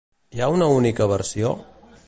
Hi ha una única versió?